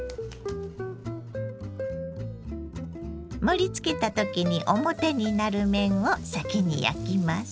盛りつけた時に表になる面を先に焼きます。